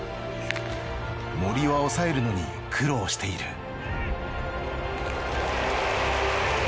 森は抑えるのに苦労している。